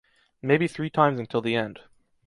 Maybe three times until the end.